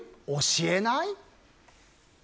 教えない？